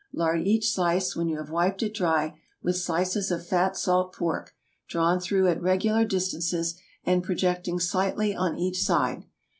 Lard each slice, when you have wiped it dry, with slices of fat salt pork, drawn through at regular distances, and projecting slightly on each side.